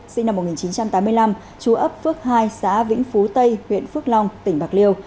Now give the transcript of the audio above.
sinh năm một nghìn chín trăm tám mươi năm chú ấp phước hai xã vĩnh phú tây huyện phước long tỉnh bạc liêu